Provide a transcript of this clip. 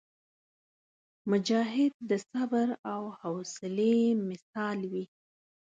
مجاهد د صبر او حوصلي مثال وي.